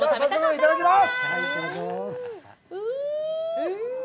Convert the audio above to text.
いただきます！